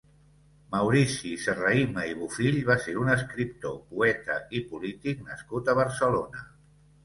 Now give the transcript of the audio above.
Maurici Serrahima i Bofill va ser un escriptor, poeta i polític nascut a Barcelona.